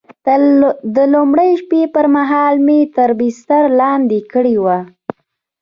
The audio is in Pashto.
د لومړۍ شپې پر مهال مې تر بستر لاندې کړې وه.